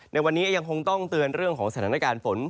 ในวันนี้ยังคงต้องเตือนเรื่องของสถานการณ์ฝน